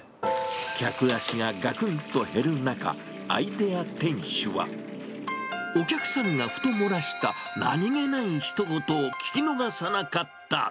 客足ががくんと減る中、アイデア店主は、お客さんがふと漏らした、何気ないひと言を聞き逃さなかった。